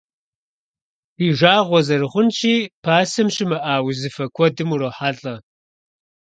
Ди жагъуэ зэрыхъунщи, пасэм щымыӀа узыфэ куэдым урохьэлӀэ.